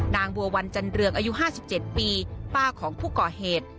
นางบัววันจันเรืองอายุ๕๗ปีป้าของผู้ก่อเหตุ